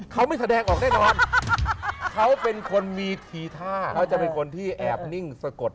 เขาไม่แสดงออกแน่นอนเขาเป็นคนมีทีท่าเขาจะเป็นคนที่แอบนิ่งสะกด